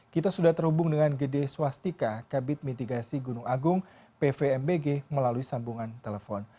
kita sudah terhubung dengan gede swastika kabit mitigasi gunung agung pvmbg melalui sambungan telepon